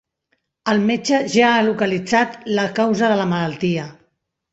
El metge ja ha localitzat la causa de la malaltia.